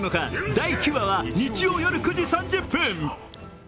第９話は日曜夜９時３０分。